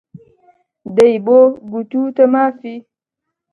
دەی بۆ گوتووتە مافی ؟